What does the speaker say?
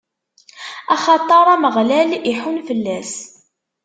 axaṭer Ameɣlal iḥunn fell-as.